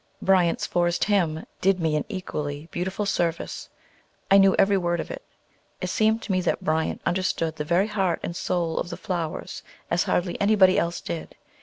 Bryant's "Forest Hymn" did me an equally beautiful service. I knew every word of it. It seemed to me that Bryant understood the very heart and soul of the flowers as hardly anybody else did.